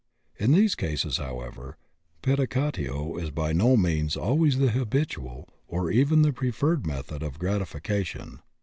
In these cases, however, pedicatio is by no means always the habitual or even the preferred method of gratification.